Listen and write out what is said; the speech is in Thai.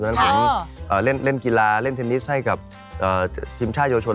นะครับฉะนั้นผมเล่นกีฬาเล่นเทนนิสให้กับทีมช่ายโยชน